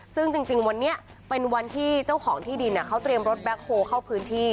ซึ่งจริงวันนี้เป็นวันที่เจ้าของที่ดินเขาเตรียมรถแบ็คโฮลเข้าพื้นที่